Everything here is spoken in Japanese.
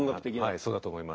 はいそうだと思います。